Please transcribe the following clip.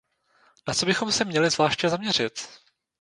Na co bychom se měli zvláště zaměřit?